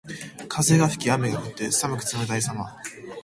風が吹き雨が降って、寒く冷たいさま。